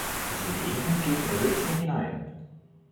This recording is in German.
Sie legen hingegen Ellipsen hinein.